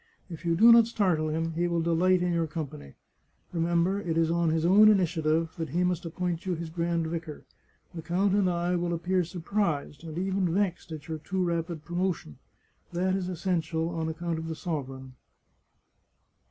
If you do not startle him he will delight in your company. Remember, it is on his own initiative that he must appoint you his grand vicar; the count and 143 The Chartreuse of Parma I will appear surprised, and even vexed, at your too rapid promotion. That is essential on account of the sovereign."